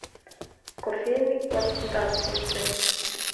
КОФЕЙНЫЙ ПЛАНТАЦИЙЫШТЕ